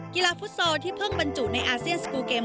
กีฬาฟุตซอลที่เพิ่งบรรจุในอาเซียนสกูลเกม